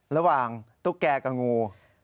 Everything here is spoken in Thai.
ระหว่างตุ๊กแก่กับงู